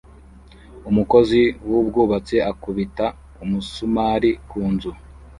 Umukozi wubwubatsi akubita umusumari ku nzu